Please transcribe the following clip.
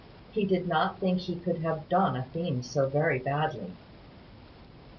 He did not think he could have done a theme so very badly.